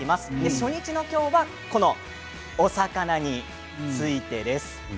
初日の今日はこのお魚についてです。